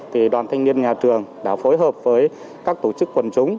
thì đoàn thanh niên nhà trường đã phối hợp với các tổ chức quần chúng